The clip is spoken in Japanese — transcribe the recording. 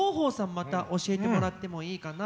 また教えてもらってもいいかな？